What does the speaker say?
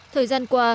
thời gian qua